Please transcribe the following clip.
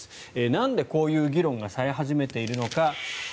なんでこういう議論がされ始めているのか。